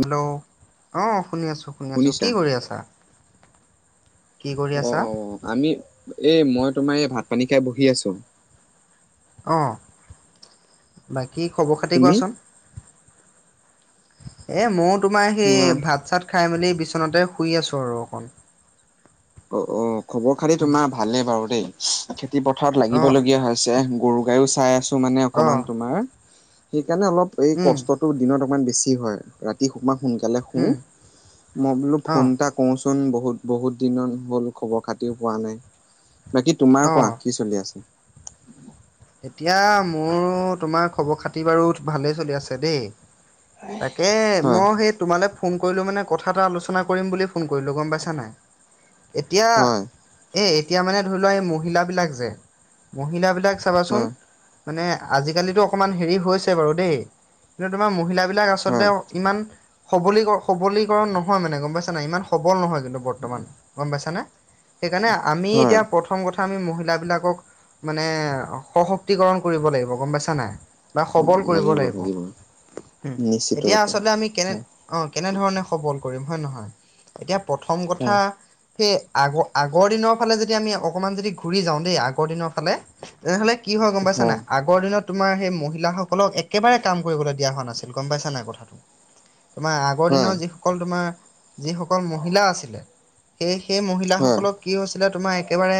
Hello অ' শুনি আছো শুনি আছো। কি শুনিছা? কৰি আছা? কি কৰি অ', আছা অ', অ', আমি এই মই তোমাৰ এই ভাত পানী খাই বহি আছো। অ', বাকী খবৰ খাতি তুমি? কোৱাচোন? এ ময়ো তোমাৰ সেই আহ ভাত চাত খাই মেলি বিচনাতে শুই আছো আৰু অকণ। অ', অ', খবৰ খাতি তোমাৰ ভালেই বাৰু দেই। খেতি পথাৰত অ লাগিবলগীয়া হৈছে গৰু গাইও চাই আছো মানে অ অকমান তোমাৰ। সেইকাৰনে অলপ এই উম কষ্টত টো দিনত অকমান বেছি হয় ৰাতি অকমান সোনকালে শু উম মই বোলো অ ফোন এটা কওঁচোন বহুত বহুত দিনত হ'ল খবৰ খাতিও পোৱা নাই। বাকী তোমাৰ অ কোৱা কিছু চলি আছোঁ। এতিয়া মোৰও তোমাৰ খবৰ-খাতি বাৰু ভালেই চলি আছে দেই। তাকে হয়, মই সেই তোমালৈ ফো ফোন কৰিলোঁ মানে কথা এটা আলোচনা কৰিম বুলি ফোন কৰিলোঁ গম পাইছা নাই, এতিয়া। হয়, এই এতিয়া মানে ধৰি লোৱা এই মহিলাবিলাক যে, মহিলাবিলাক চাবাচোন। হয়, মানে আজিকালিতো অকণমান হেৰি হৈছে বাৰু দেই, কিন্তু তোমাৰ মহিলাবলাক হয়, আচলতে অ ইমান সবলীক-সবলীকৰণ নহয় মানে গম পাইছা নাই ইমান সবল নহয় যেনেবা বৰ্তমান। গম পাইছা নে, সেইকাৰণে আমি হয়। এতিয়া প্ৰথম কথা আমি মহিলাবিলাকক মানে অ',। সশক্তিকৰণ কৰিব লাগিব গম পাইছা নাই। বা সবল কৰিব লাগিব, হোম, নিশ্চিত এতিয়া ৰূপে আচলতে আমি কেনে হয়, অ', কেনেধৰণে সবল কৰিম হয় নে নহয়, এতিয়া প্ৰথম কথা। হয়, সেই আগ-আগৰ দিনৰ ফালে যদি আমি অকণমান যদি ঘূৰি যাওঁ দেই আগৰ দিনৰ ফালে। তেনেহলে কি হয় গম পাইছা নাই আগ আগৰ দিনত তোমাৰ সেই মহিলাসকলক একেবাৰে কাম কৰিবলৈ দিয়া হোৱা নাছিল গম পাইছা নাই কথাটো। তোমাৰ আগৰ হয়। দিনৰ যিসকল তোমাৰ যিসকল মহিলা আছিলে। সেই-সেই হয় মহিলাসকলক কি হৈছিলে তোমাৰ একেবাৰে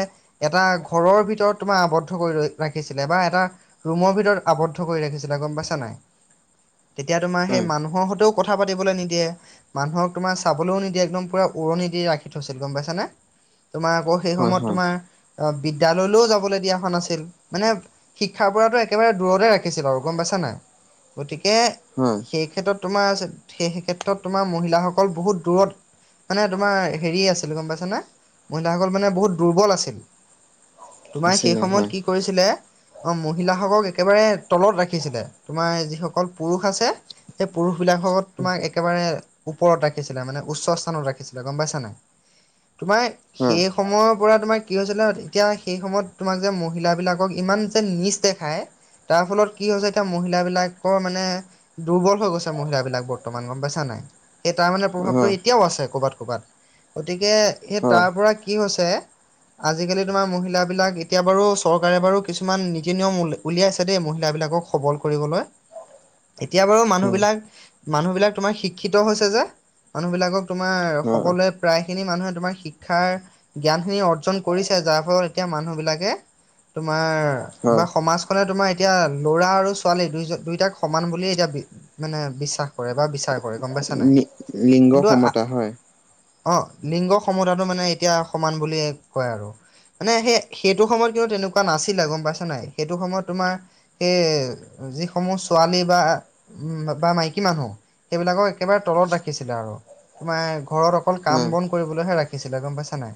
এটা ঘৰৰ ভিতৰত তোমাৰ আৱদ আবদ্ধ কৰি ৰৈ ৰাখিছিলে বা এটা ৰুমৰ ভিতৰত আৱদ্ধ কৰি ৰাখিছিলে গম পাইছা নাই। তেতিয়া তোমাৰ সেই হয় মানুহৰ সৈতেও কথা পাতিবলৈ নিদিয়ে। মানুহক তোমাৰ চাবলৈও নিদিয়ে একদম পুৰা উৰণি দি ৰাখি থৈছিল গম পাইছা নে। তোমাৰ আকৌ সেই হয় সময়ত হয় তোমাৰ অ', বিদ্যয়ালয়লৈও যাবলৈ দিয়া। হোৱা নাছিল মানে শিক্ষাৰ পৰাটো একেবাৰে দূৰতে ৰাখিছিল আৰু গম পাইছা নাই। গতিকে হয় সেই ক্ষেত্ৰত তোমাৰ আছে, সেই ক্ষেত্ৰত তোমাৰ মহিলাসকল বহুত দূৰত। মানে তোমাৰ হেৰি আছিল গম পাইছা নে, মহিলাসকল মানে বহুত দুৰ্বল আছিল। তোমাৰ সেই আছিলে হয় সময়ত কি কৰিছিলে। অ', মহিলাসকলক একেবাৰে তলত ৰাখিছিলে, তোমাৰ যিসকল পুৰুষ আছে। সেই পুৰুষবিলাকহত তোমাৰ একেবাৰে। ওপৰত ৰাখিছিলে মানে উচ্চ স্থানত ৰাখিছিলে গম পাইছা নাই তোমাৰ হয় সেই সময়ৰ পৰা তোমাৰ কি হৈছিলে অ', তেতিয়া সেই সময়ত। তোমাক যে মহিলাবিলাকক ইমান যে নিচ দেখায়। তাৰ ফলত কি হৈছে এতিয়া মহিলাবিলাকও মানে। দুৰ্বল হৈ গৈছে মহিলাবিলাক বৰ্তমান গম পাইছা নাই। সেই তাৰ মানে প্ৰভাৱটো হয় এতিয়াও আছে কৰ'বাত-ক'ৰবাত। গতিকে সেই হয় তাৰ পৰা কি হৈছে আজিকালি তোমাৰ মহিলাবিলাক এতি এতিয়া বাৰু চৰকাৰে বাৰু কিছুমান নীতি-নিয়ম উলিয়া-উলিয়াই আছে দেই মহিলাবিলাকক সবল কৰিবলৈ। এতিয়া বাৰু হয় মানুহবিলাক-মানুহবিলাক তোমাৰ শিক্ষিত হৈছে যে মানুহবিলাকক। তোমাৰ হয় সকলোৱে। প্ৰায় খিনি মানুহে তোমাৰ শিক্ষাৰ জ্ঞানখিনি অৰ্জন কৰিছে যাৰ ফলত এতিয়া মানুহবিলাক। তোমাৰ হয় বা সমাজ। ধৰা তোমাৰ এতিয়া ল'ৰা আৰু ছোৱালী দুইজন-দুইটাক সমান বুলি এতিয়া বি মানে বিশ্বাস কৰে বা বিচাৰ কৰে গম পাইছা নাই, লি লিংগ কিন্তু আহ',। সমতা হয় অ', লিংগ সমতাটো মানে এতিয়া সমান বুলিয়ে কয় আৰু মানে সেয়ে সেই। সেইটো সময়ত কিন্তু তেনেকুৱা নাছিলে গম পাইছা নাই সেইটো সময়ত তোমাৰ। সেই যিসমূহ ছোৱালী বা উম', বা মাইকী মানুহ, সেইবিলাকক একেবাৰে তলত ৰাখিছিলে আৰু তোমাৰ ঘৰত অক অকল কাম হয় বন কৰিবলৈহে ৰাখিছিলে গম পাইছা নাই,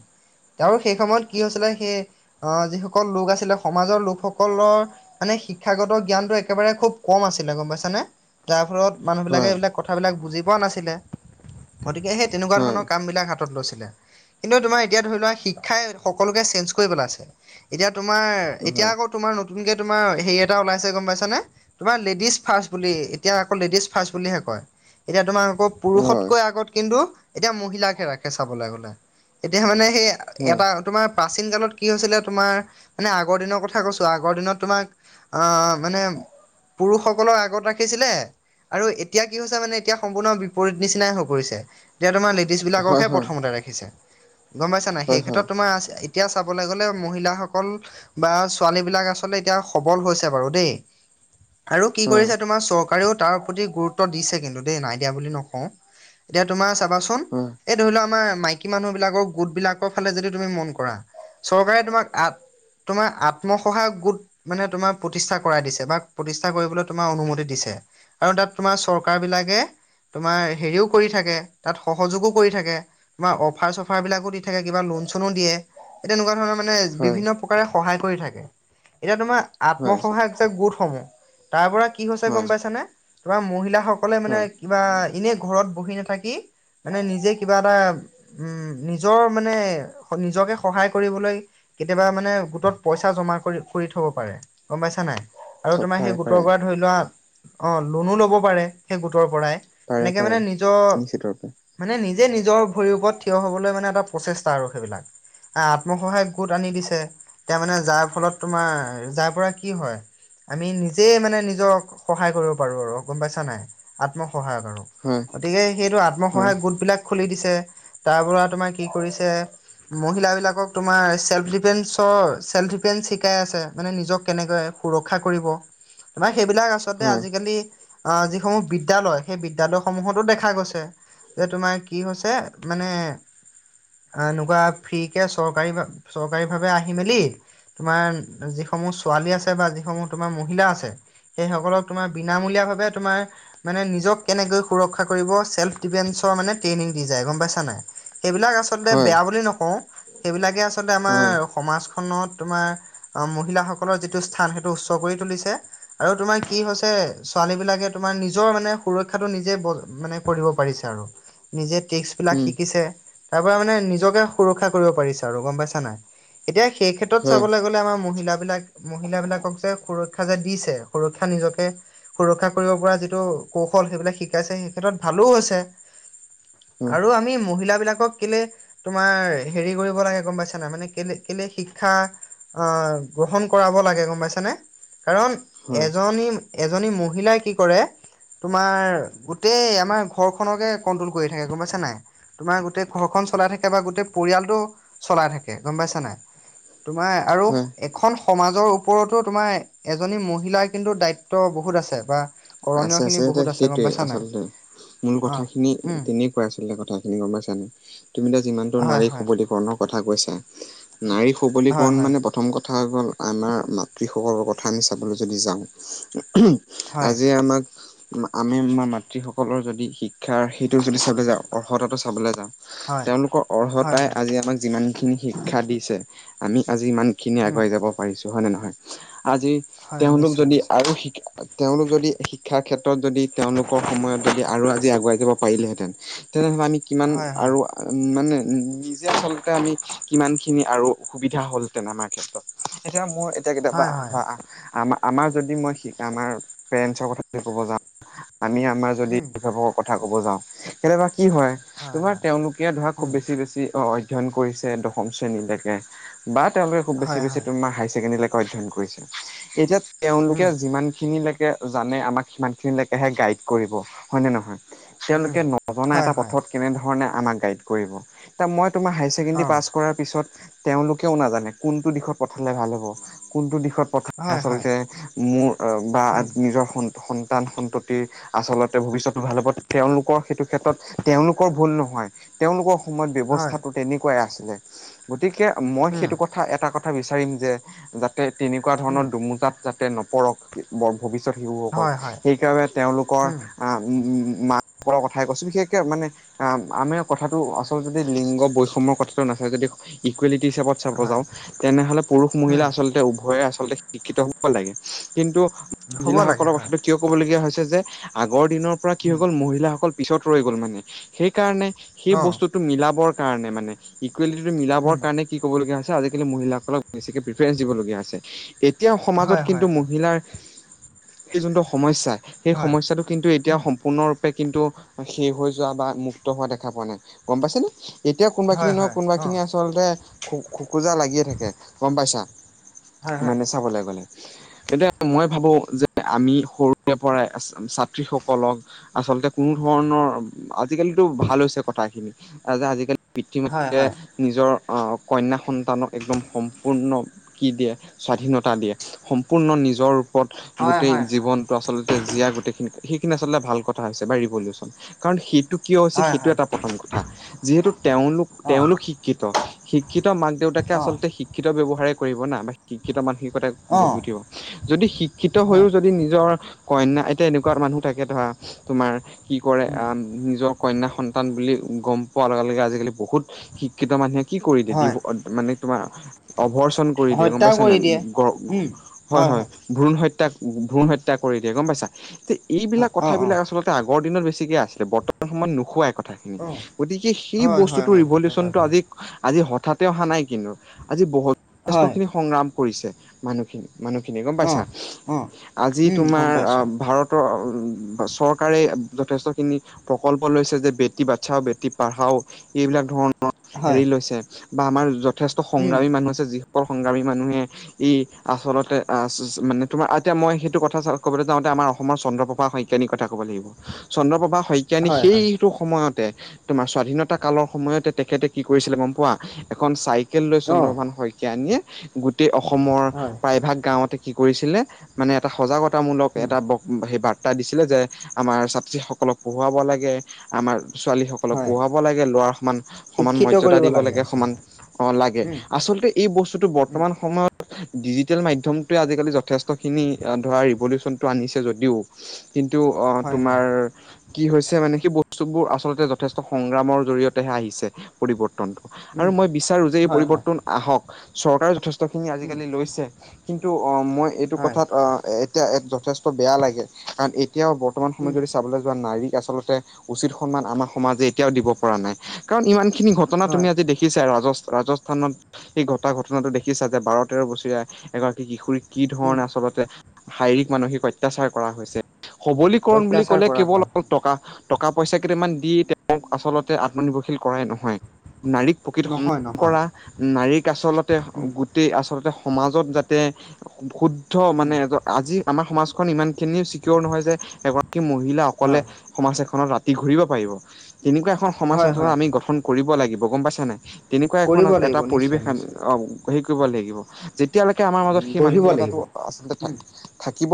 তাৰো সেই সময়ত কি হৈছিলে সেই। আহ যিসকল লোক আছিলে সমাজৰ লোকসকলৰ মানে শিক্ষাগত জ্ঞানটো একেবাৰে খুব কম আছিলে গ'ম পাইছানে? যাৰ ফলত মানুহবিলাকে হয় এইবিলাক কথাবিলাক বুজি পোৱা নাছিলে। গতিকে সেই তেনেকুৱা হয় ধৰণৰ কাম বিলাক হাতত লৈছিলে। কিন্তু তোমাৰ এতিয়া ধৰি লোৱা শিক্ষাই সকলোকে চেঞ্জ কৰি পেলাইছে। এতিয়া তোমাৰ এতিয়া হয় আকৌ তোমাৰ নতুন কে তোমাৰ হেৰি এটা ওলাইছে গ'ম পাইছানে? তোমাৰ লেডিজ ফাৰ্ষ্ট বুলি এতিয়া আকৌ লেডিজ ফাৰ্ষ্ট বুলিহে কয়। এতিয়া তোমাৰ আকৌ হয় পুৰুষতকৈ আগত কিন্তু এতিয়া মহিলাকহে ৰাখে চাবলৈ গ'লে। এতিয়া মানে সেই এটা তোমাৰ প্ৰাচীন কালত কি হৈছিলে। তোমাৰ মানে আগৰ দিনৰ কথা কৈছো আগৰ দিনত তোমাক আহ মানে পুৰুষসকলক আগত ৰাখিছিলে। আৰু এতিয়া কি হৈছে মানে এতিয়া সম্পূৰ্ণ বিপৰীত নিচিনাই হৈ পৰিছে, এতিয়া তোমাৰ লেডিজ হয় হয় হয় বিলাককহে প্ৰথমতে ৰাখিছে গম পাইছা নাই? হয় হয় হয় সেই হয় ক্ষেত্ৰত তোমাৰ এতিয়া চাবলৈ গ'লে মহিলাসকল বা ছোৱালী বিলাক আচলতে এতিয়া সবল হৈছে বাৰু দেই। আৰু কি কৰিছে তোমাৰ চৰকাৰেও তাৰ প্ৰতি গুৰুত্ব দিছে কিন্তু দেই নাইডিয়া বুলি নকওঁ। এতিয়া তোমাৰ চাবাচোন। এই ধৰি লও আমাৰ মাইকী মানুহ বিলাকৰ গোট বিলাকৰ ফালে যদি তুমি মন কৰা। চৰকাৰে তোমাক আ তোমাৰ আত্মসহায়ক গোট। মানে তোমাক প্ৰতিষ্ঠা কৰাই দিছে বা প্ৰতিষ্ঠা কৰিবলৈ তোমাৰ অনুমতি দিছে। আৰু তাত তোমাৰ চৰকাৰ বিলাকে তোমাৰ হেৰিও কৰি থাকে তাত সহযোগো কৰি থাকে। আাৰ অফাৰ-চফাৰ বিলাকো দি থাকে কিবা লোন-চনো দিয়ে। এই তেনেকুৱা ধৰণৰ মানে বিভিন্ন প্ৰকাৰে সহায় কৰি থাকে, এতিয়া তোমাৰ হয় হয় আত্মসহায়ক যে গোটসমূহ তাৰ পৰা কি হৈছে হয় গ'ম পাইছানে! তোমাৰ মহিলাাসকলে মানে হয় কিবা এনে ঘৰত বহি নাথাকি। মানে নিজে কিবা এটা উম, নিজৰ মানে নিজকে সহায় কৰিবলৈ কেতিয়াবা মানে গোটত পইচা জমা কৰি কৰি থব পাৰে। গ'ম পাইছা নাই? আৰু থ- তোমাৰ সেই পাৰে গোটৰ পাৰে পৰা ধৰি লোৱা অ', লোনো ল'ব পাৰে সেই গোটৰ পৰাই। পাৰে এনেকে পাৰে মানে নিজৰ নিশ্চিত ৰূপে মানে নিজে নিজৰ ভৰিৰ ওপৰত থিয় হ'বলৈ মানে এটা প্ৰচেষ্টা আৰু সেইবিলাক। আহ, আত্মসহায়ক গোট আনি দিছে। এতিয়া মানে যাৰ ফলত তোমাৰ যাৰ পৰা কি হয়। আমি নিজেই মানে নিজক সহায় কৰিব পাৰো আৰু গ'ম পাইছা নাই, আত্মসহায়ক আৰু। হয় গতিকে সেইটো হয় আত্মসহায়ক গোটবিলাক খুলি দিছে তাৰপ তোমাৰ কি কৰিছে মহিলাবিলাকক তোমাৰ চেল্ফ ডিফেসৰ চেল্ফ ডিফেস শিকাই আছে মানে নিজক কেনেকৈ সুৰক্ষা কৰিব তাৰমানে সেইবিলাক আচলতে হয় আজিকালি আহ, যিসমূহ বিদ্যালয় সেই বিদ্যয়ালয়সমূহতো দেখা গৈছে। যে তোমাৰ কি হৈছে মানে এনেকুৱা ফ্ৰীকৈ চৰকাৰী চৰকাৰীভাৱে আহি মেলি। তোমাৰ যিসমূহ ছোৱালী আছে বা যিসমূহ তোমাৰ মহিলা আছে। সেইসকলক তোমাৰ বিনামূলীয়াভাৱে তোমাৰ মানে নিজক কেনেকৈ সুৰক্ষা কৰিব চেল্ফ ডিফেন্সৰ মানে ট্ৰেইনিং দি যায় গ'ম পাইছা নাই? এইবিলাক আচলতে হয় বেয়া বুলি নকও। সেইবিলাকে আচলতে আমাৰ হয় উম সমাজখনত তোমাৰ আহ, মহিলাসকলৰ যিটো স্থান সেইটো উচ্চ কৰি তুলিছে। আৰু তোমাৰ কি হৈছে? ছোৱালী বিলাকে তোমাৰ নিজৰ মানে সুৰক্ষাটো নিজে বজ্ মানে পঢ়িব পৰিছে আৰু, নিজে তিস্ক বিলাক শিকিছে তাৰপৰা মানে নিজকে সুৰক্ষা কৰিব পাৰিছে আৰু গম পাইছা নাই? এতিয়া সেই ক্ষেত্ৰত হয় চাবলে গ'লে আমাৰ মহিলাবিলাক মহিল বিলাকক যে সুৰক্ষা যে দিছে সুৰক্ষা নিজকে সুৰক্ষা কৰিব পৰা যিটো কৌশল সেইবিলাক শিকাইছে সেই ক্ষেত্ৰত ভালো হৈছে। হয় আৰু আমি মহিলা বিলাকক কেলে তোমাৰ হেৰি কৰিব লাগে গম পাইছা নাই? মানে কেলে কেলে শিক্ষা অহ গ্ৰহণ কৰাব লাগে, গম পাইছা নে? কাৰণ হয় এজনী এজনী মহিলাই কি কৰে তোমাৰ গোটেই আমাৰ ঘৰখনকে কন্ট্ৰল কৰি থাকে, গম পাইছা নাই? তোমাৰ গোটেই ঘৰখন চলাই থাকে বা গোটেই পৰিয়ালটো চলাই থাকে। গম পাইছা নাই? তোমাৰ আৰু হয় এখন সমাজৰ ওপৰতো তোমাৰ এজনী মহিলাৰ কিন্তু দায়িত্ব বহুত আছে বা কৰণীয় আছে খিনি আছে বহুত এতিয়া গম সেইটোৱে পাইছা নাই আচলতে মূল অ কথাখিনি উম তেনে কোৱাই আচলতে কথা খিনি, গম পাইছানে? তুমি এতিয়া যিমানতো হয় নাৰীক হয় সবলীকৰণৰ কথা কৈছা, নাৰী হয় সবলীকৰণ হয় মানে প্ৰথম কথা কথা হৈ গ'ল আমাৰ মাতৃসকলৰ কথা আমি চাবলৈ যদি যাওঁ হয়। এ আমাক আমি আমাৰ মাতৃ সকলৰ যদি শিক্ষা সেইটো যদি চাইদে যাওঁ অৰ্হতাটো চাবলে যাওঁ হয় তেওঁলোকৰ হয় অৰ্হতাই হয় আজি আমাক যিমানখিনি শিক্ষা দিছে, আমি আজি ইমান খিনি উম আগুৱাই যাব পাৰিছো, হয় নে নহয়? আজি হয় তেওঁলোক নিশ্চয় যদি নিশ্চয় আৰু শি তেওঁলোক যদি শিক্ষাৰ ক্ষেত্ৰত যদি তেওঁলোকৰ সময়ত যদি আৰু আজি আগুৱাই যাব পাৰিলেহেঁতেন তেনেহলে আমি ইমান হয় হয় আৰু মানে নিজে আচলতে আমি সিমানখিনি আৰু সুবিধ হ'লহেতেন আমাৰ ক্ষেত্ৰত। এতিয়া মোৰ এতিয়া কেতিয়াবা হয় হয় ধৰা আমাৰ আমাৰ যদি মই শি- আমাৰ পেৰেণ্টছৰ কথা যদি ক'ব যাওঁ, আমি আমাৰ যদি উম অভিভাৱকৰ কথা ক'ব যাওঁ, কেতিয়াবা কি হয় তোমাৰ তেওঁলোকে ধৰা খুব উম বেছি বেছি অ' অধ্যয়ন কৰিছে দশম শ্ৰেণীলেকে। বা তেওঁলোকে খুব বেছি হয় বেছি হয় তোমাৰ হায়াৰ ছেকেণ্ডেৰীলৈকে অধ্যয়ন কৰিছিল, এতিয়া তেওঁলোকে উম যিমান খিনি লেকে জানে আমাক সিমান খিনি লেকেহে গাইড কৰিব। হয়নে নহয়? উম তেওঁলোকে নজনা হয় এটা হয় পথত কেনেধৰণে আমাক গাইড কৰিব, এতিয়া মই তোমাৰ‌ অ হায়ছেকেণ্ডেৰী পাছ কৰাৰ পিছত তেওঁলোকেও নাজানে কোনটো দিশত পঠালে ভাল হ'ব, কোনটো দিশত পথালে হয় হয় আচলতে মোৰ বা উম নিজৰ সন্ত- সন্তান সন্টোতিৰ আচলতে ভৱিষ্যতটো ভাল হ'ব তেওঁলোকৰ সেইটো ক্ষেত্ৰত তেওঁলোকৰ ভুল নহয়, তেওঁলোকক সময়ত হয় ব্যৱস্থাটো তেনেকুৱাই আছিলে, গতিকে মই উম সেইতো ক থা এটা কথা বিচাৰিম যে যাতে তেনেকুৱা ধৰণৰ উম দুুমোজাত যাতে নপৰক বৰ ভৱিষ্যত শিশুসকল হয় হয় সেইকাৰণে তেওঁলোকৰ উম আম মাক-কৰ কথাই কৈছোঁ বিশেষকে মানে আ, আমি কথাটো আচলতে যদি লিংগ বৈষম্যৰ কথাটো নাচায় যদি ইকুৱেলিটি হিচাপত চাব হয় যাওঁ, তেনেহলে পুৰুষ মহিলা উম আচলতে উভয়ে আচলতে শিক্ষিত হব লাগে, কিন্তু হ'ব লাগে মহিলাসকলৰ হয় কথাটো কিয় ক'বলগীয়া হৈছে যে আগৰ দিনৰ পৰা কি হৈ উম গ'ল মহিলাসকল পিছত ৰৈ গ'ল মানে, সেইকাৰণে সেই অ বস্তুটো মিলাবৰ কাৰণে মানে ইকুৱেলিটিটো মিলাবৰ উম কাৰণে কি কবলগীয়া হৈছে আজিকালি মহিলাসকলক বেছিকে প্ৰিফাৰেন্ঞ্চ দিবলগীয়া হৈছে। তেতিয়াও হয় সমাজত হয় কিন্তু হয় মহিলাৰ এই যোনটো সমস্যা সেই হয় সমস্যাটো কিন্তু এতিয়া উম সম্পূৰ্ণ ৰূপ কিন্তু শেষ হৈ যোৱা বা মুক্ত হোৱা দেখা পোৱা নাই গম পাইছেনে। এতিয়া কোনোবা খিনি হয় নহয় হয় কোনোবা অ খিনি আচলতে খো- খোকোজা লাগিয়ে থাকে গম পাইছা। হয় হয় মানে চাবলৈ গ'লে এতিয়া মই ভাবো, যে আমি সৰুৰে পৰাই ছাত্ৰীসকলক আচলতে কোনো ধৰণৰ আজিকালিতো ভাল হৈছে কথা খিনি আজিকালি হয় পিতৃ-মাতৃয়ে হয় নিজৰ আহ কন্যা সন্তানক একদম সম্পূৰ্ণ কি দিয়ে স্বাধীনতা দিয়ে সম্পূৰ্ণ নিজৰ ৰূপৰত হয় হয় গোটেই হয় জীৱনতটো আচলতে জীয়া- গোটেইখিনি সেইখিনি আচলতে ভাল কথা হৈছে বা ৰিভলিউচন কাৰণ সেইটো কিয় হৈছে হয় সেইটো হয় এটা প্ৰথম কথা যিহেতু তেওঁলোক অ তেওঁলোক শি শিক্ষিত শিক্ষিত মাক দেউতাকে অ আচলতে শিক্ষিত ব্যৱহাৰে কৰিব না বা শিক্ষিত মানসিকতা অ গঢ়ি উঠিব যদি শিক্ষিত হৈও হয় যদি যদি নিজৰ কন্যা এতিয়া এনেকুৱা মানুহ থাকে ধৰা তোমাৰ কি কৰে উম আহ নিজৰ কন্যা সন্তান বুলি গম পোৱা লগে লগে আজিকালি বহুত সিক সেনে কোৱা মানুহে কি কৰি দ দি হয় মানে তোমাৰ অভৰচন কৰি দিয়ে গম হত্যা পাইছ নে কৰি দিয়ে গ হয় হয় ভ্ৰণ হত্যা ভ্ৰণ উম হত্যা কৰি দিয়ে গম পাইছা তে হয় এইবিলাক অ অ কথাবিলাক আচলতে আগৰ দিনত বেছিকে আছিলে বৰ্তমান সময়ত নোহোৱা এক অ গতিকে সেই হয় হয় বস্তুতটো হয় সেইটো হয় ৰিভলিউচনটো বাৰু আজি আজি হঠাতে অহা নাই কিন্তু আজি বহু যেষ্ট হয় খিনি সংগ্ৰাম কৰিছে মানুহখিনি মানুহখিনিয়ে গম অ পাইছা অ আজি উম গম তোমাৰ অ পাইছোঁ ভাৰত চৰকাৰে যথেষ্টখিনি প্ৰকল্প লৈছে যে বেটি বাচাও বেটী পঢ়াও এইবিলাক ধৰণৰ হয় হেৰি লৈছে বা আমাৰ যথেষ্ট উম সংগ্ৰামী মানুহ আছে যি সকল সংগ্ৰামী মানুহে ই আচলতে আহ মানে তোমাৰ এতিয়া মই সেইটো কথা ক'বলৈ যাওঁতে আমাৰ অসম চন্দ্ৰপ্ৰভা শইকীয়ানীৰ কথা ক'ব লাগিব চন্দ্ৰপ্ৰভা শইকীয়া নি হয় সেই হয় [inaudible] সময়তে তোমাৰ স্বাধীনতা কালৰ সময়তে তেখেতে কি কৰিছিলে গম পোৱা এখন চাইকেল ললৈ অ চন্দ্ৰপ্ৰভান শইকীয়ানিয়ে গোটেই অসমৰ হয় প্ৰায়ভাগ গাঁওতে কি কৰিছিলে মানে এটা সজাগতামূলক উম এটা ব সেই বাৰ্তা দিছিলে যে আমাৰ ছাত্ৰীসকলক পঢ়োৱাব লাগে আমাৰ ছোৱালী সকলক হয় পঢ়াব লাগে লৰাৰ সমান সমান শিক্ষিত মৰ্যদা কৰিব দিব লাগে সমান আচলতে অ লাগে উম আচলতে এই বস্তুতটো উম বৰ্তমান সময়ত ডিজিটেল মাধ্যমতোয়ে আজিকালি যথেষ্ট খিনি ধৰা ৰিভলিউচনটো আনিছে যদিও কিন্তু হয় হয় তোমাৰ কি হৈছে মানে সেই বস্তুবোৰ আচলতে যথেষ্ট সংগ্ৰামৰ জৰিয়তেহে আহিছে পৰিৱৰ্তনটো আৰু উম মই বিচাৰো যে এই হয় হয় পৰিৱৰ্তন আহক চৰকাৰে যথেষ্ট খিনি উম আজিকালি লৈছে কিন্তু মই এইটো হয় কথাত এতিয়া যথেষ্ট বেয়া লাগে কাৰণ এতিয়াও বৰ্তমান সময়ত উম যদি চাবলৈ যোৱা নাৰীক আচলতে উচিত সন্মান আমাৰ সমাজে এতিয়াও দিব পৰা নাই কাৰণ ইমান খিনি ঘটনা তুমি হয় আজি দে দেখিছাই ৰাজ ৰাজস্থানত সেই ঘটা ঘটনাটো দেখিছা যে বাৰ তেৰ বছৰীয়া এগৰাকী কিশোৰী কি উম ধৰণে আচলতে শাৰীৰিক মানসিক অত্যাচাৰ কৰা হৈছে সবলীকৰণ বুলি অত্যাচাৰ ক'লে কৰা কেৱল হয় টকা টকা পইচা কেইটামান দি তেওঁক আচলতে আত্মনিৰ্ভৰশীল কৰাই নহয় নাৰীক প্ৰকৃত সন্মান নহয় নহয় কৰা নাৰীক আচলতে- উম গোটেই আচলতে সমাজত যাতে শুদ্ধ উম মানে আজি- আমাৰ সমাজখন ইমান খিনি চিকিয়ৰ নহয় যে এগৰাকী মহিলা হয় অকলে- সমাজ এখনত ৰাতি ঘূৰিব পাৰিব, তেনেকুৱা এখন হয় সমাজত হয় আমি হয় গঠন কৰিব লাগিব গম পাইছা নাই। তেনেকুৱা এখন কৰিব লাগিব এটা নিশ্চয় পৰিৱেশ নিশ্চয় আ' হেৰি কৰিব লাগিব। যেতিয়ালৈকে আমাৰ মাজত সেই গঢ়িব লাগিব মানসিকতাটো- আচলতে উম থাকিব,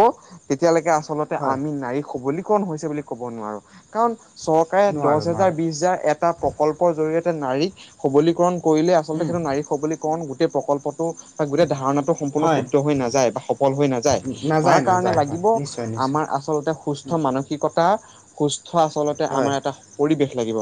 তেতিয়ালৈকে আচলতে হয় আমি নাৰীৰ সবলীকৰণ হৈছে বুলি - কব নোৱাৰো। কাৰণ চৰকাৰে দহ নোৱাৰোঁ হাজাৰ, নোৱাৰোঁ। বিশ হাজাৰ- এটা প্ৰকল্পৰ জৰিয়তে নাৰীক সবলীকৰণ কৰিলে আচলতে উম, সেইটো নাৰী- সবলিকৰণ গোটেই প্ৰকল্পটো বা গোটেই ধাৰণাটো সম্পূৰ্ণ হয়। শুদ্ধ হৈ নাযায় বা- সফল হৈ নাযায়। নাযায় তাৰ কাৰণে নাযায় হয় লাগিব নিশ্চয় নিশ্চয় আমাৰ আচলতে সুস্থ- মানসিকতা সুস্থ আচলতে আমাৰ হয়। এটা পৰিৱেশ লাগিব।